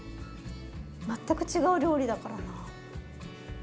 全く違う料理だからな。